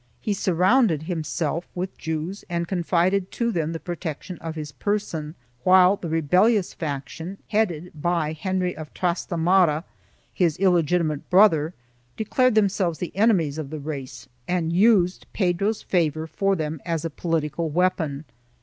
He surrounded himself with Jews and confided to them the pro tection of his person, while the rebellious faction, headed by Henry of Trastamara, his illegitimate brother, declared them selves the enemies of the race and used Pedro's favor for them as a political weapon.